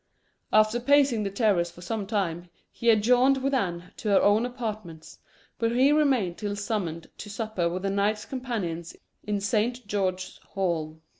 After pacing the terrace for some time, he adjourned with Anne to her own apartments, where he remained till summoned to supper with the knights companions in Saint George's Hall.